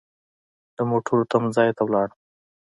د موټرو تم ځای ته ولاړم.